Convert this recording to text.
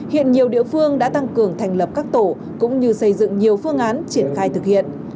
hiện nhiều địa phương đã tăng cường thành lập các tổ cũng như xây dựng nhiều phương án triển khai thực hiện